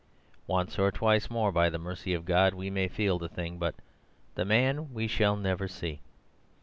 Once or twice more, by the mercy of God, we may feel the thing, but the man we shall never see.